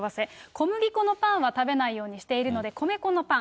小麦粉のパンは食べないようにしているので、米粉のパン。